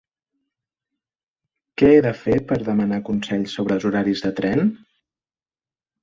Què he de fer per demanar consell sobre els horaris de tren?